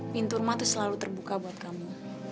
pintu rumah itu selalu terbuka buat kamu